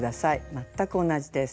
全く同じです。